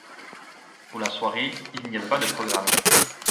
Pour la soirée, il n’y avait pas de programme.